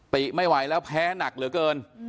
ติไม่ไหวแล้วแพ้หนักเหลือเกิน